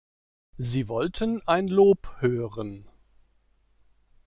Sie wollten ein Lob hören.